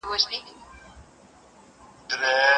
څپه څپه را ځه توپانه پر ما ښه لګیږي